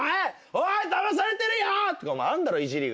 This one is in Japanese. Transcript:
「おいだまされてるよ！」とかあんだろいじりが。